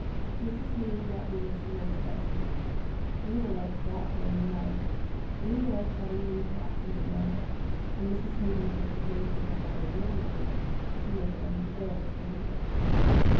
Mrs. Haydon got Lena some nice dresses. Lena liked that very well. Lena liked having new hats even better, and Mrs. Haydon had some made for her by a real milliner who made them very pretty.